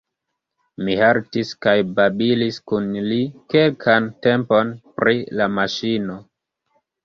Mi haltis kaj babilis kun li kelkan tempon pri la maŝino.